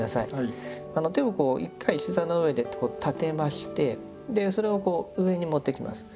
手を１回膝の上で立てましてそれを上に持っていきます。